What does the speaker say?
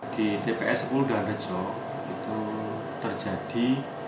di tps sepuluh desa dahan rejo itu terjadi